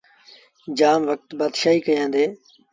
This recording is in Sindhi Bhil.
جآم وکت بآتشآهيٚ ڪيآݩدي۔۔